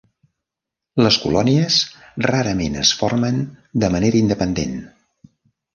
Les colònies rarament es formen de manera independent.